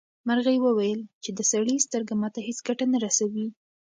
مرغۍ وویل چې د سړي سترګه ماته هیڅ ګټه نه رسوي.